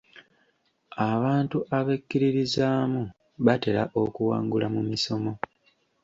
Abantu abekkiririzaamu batera okuwangula mu misomo.